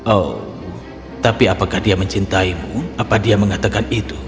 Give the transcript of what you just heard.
oh tapi apakah dia mencintaimu apa dia mengatakan itu